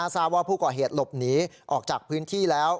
ทราบว่าผู้ก่อเหตุหลบหนีออกจากพื้นที่แล้ว